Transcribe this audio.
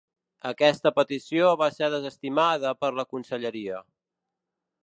Aquesta petició va ser desestimada per la conselleria.